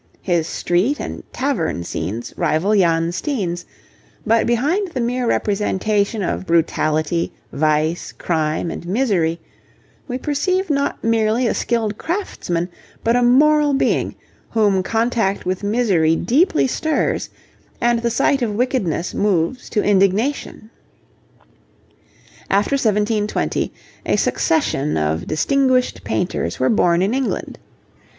His street and tavern scenes rival Jan Steen's; but behind the mere representation of brutality, vice, crime, and misery we perceive not merely a skilled craftsman but a moral being, whom contact with misery deeply stirs and the sight of wickedness moves to indignation. After 1720 a succession of distinguished painters were born in England.